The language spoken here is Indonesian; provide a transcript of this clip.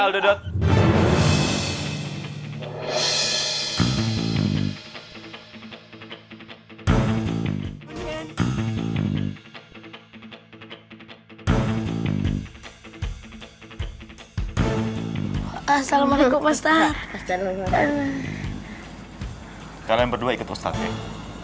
kalian berdua tau naszej makan makanannya jadi juga mencetaknya kalian dua tautan makanan makanannya itu cumaopian ya